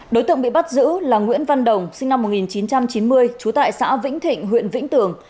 đối tượng bị bắt giữ là nguyễn văn đồng sinh năm một nghìn chín trăm chín mươi trú tại xã vĩnh thịnh huyện vĩnh tường